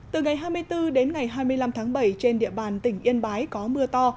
từ ngày hai mươi bốn đến ngày hai mươi năm tháng bảy trên địa bàn tỉnh yên bái có mưa to